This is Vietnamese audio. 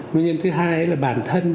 nguyên nhân thứ hai là bản thân